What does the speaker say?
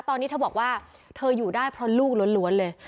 ตอนนี้เธอบอกว่าเธออยู่ได้เพราะลูกล้วนเลย